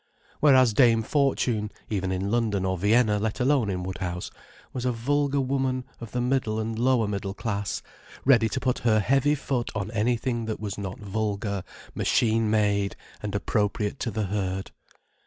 Whereas Dame Fortune, even in London or Vienna, let alone in Woodhouse, was a vulgar woman of the middle and lower middle class, ready to put her heavy foot on anything that was not vulgar, machine made, and appropriate to the herd.